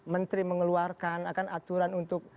menteri mengeluarkan akan aturan untuk